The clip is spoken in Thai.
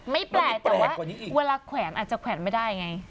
ไม่แปลกแต่ว่าเวลาแขวนอาจจะแขวนไม่ได้ไง